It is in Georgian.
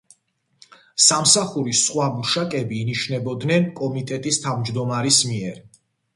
სამსახურის სხვა მუშაკები ინიშნებოდნენ კომიტეტის თავმჯდომარის მიერ.